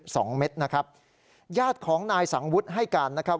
เม็ดนะครับญาติของนายสังวุฒิให้การนะครับ